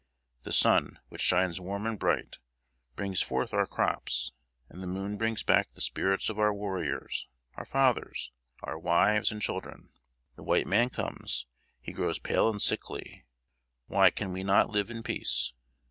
The sun, which shines warm and bright, brings forth our crops; and the moon brings back the spirits of our warriors, our fathers, our wives and children. The white man comes; he grows pale and sickly; why can we not live in peace?